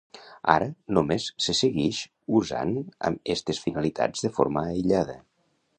Ara, només se seguix usant amb estes finalitats de forma aïllada.